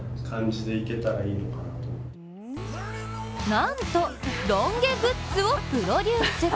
なんとロン毛グッズをプロデュース。